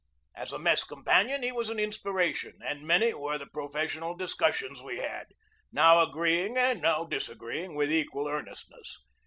As a mess companion he was an inspiration, and many were the professional dis cussions we had, now agreeing and now disagreeing with equal earnestness.